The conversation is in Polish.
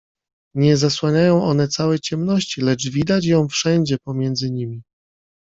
Nie zasłaniają one całej ciemności, lecz widać ją wszędzie pomiędzy nimi.